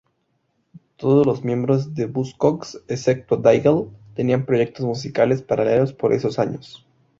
Todos los miembros de Buzzcocks, excepto Diggle, tenían proyectos musicales paralelos por esos años.